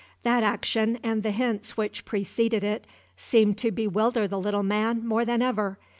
That action and the hints which preceded it seemed to bewilder the little man more than ever.